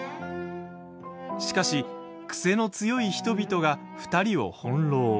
しかし、癖の強い人々が２人を翻弄。